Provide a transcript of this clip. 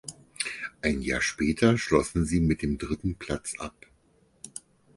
Ein Jahr später schlossen sie mit dem dritten Platz ab.